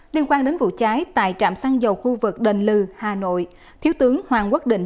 liên quan đến vụ cháy tại trạm xăng dầu khu vực đền lư hà nội thiếu tướng hoàng quốc định